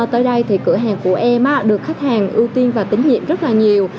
tới đây thì cửa hàng của em được khách hàng ưu tiên và tín nhiệm rất là nhiều